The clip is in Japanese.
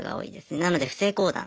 なので不正交談。